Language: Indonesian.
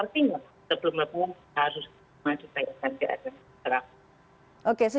artinya sebelum mampu harus masuk ke rss